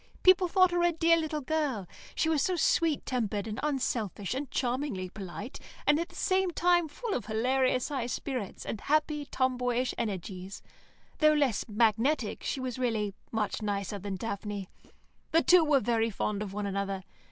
People thought her a dear little girl; she was so sweet tempered, and unselfish, and charmingly polite, and at the same time full of hilarious high spirits, and happy, tomboyish energies. Though less magnetic, she was really much nicer than Daphne. The two were very fond of one another.